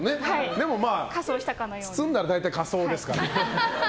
でも、包んだら大体何でも仮装ですから。